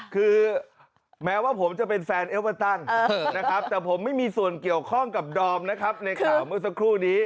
คือแม้ว่าผมจะเป็นแฟนเอเวอร์ตันนะครับแต่ผมไม่มีส่วนเกี่ยวข้องกับดอมนะครับในข่าวเมื่อสักครู่นี้